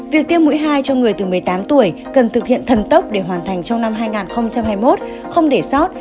việc tiêm mũi hai cho người từ một mươi tám tuổi cần thực hiện thần tốc để hoàn thành trong năm hai nghìn hai mươi một không để sót